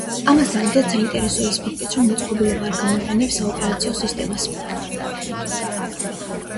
ამასთან ერთად, საინტერესოა ის ფაქტიც, რომ მოწყობილობა არ გამოიყენებს საოპერაციო სისტემას.